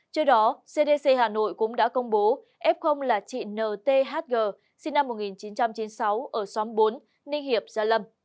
trước đó cdc hà nội cũng đã công bố f là chị nthg sinh năm một nghìn chín trăm chín mươi sáu ở xóm bốn ninh hiệp gia lâm